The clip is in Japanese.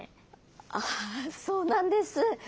ああそうなんです。